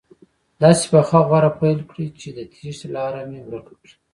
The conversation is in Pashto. داسې پخه غوره پیل کړي چې د تېښتې لاره مې ورکه کړي.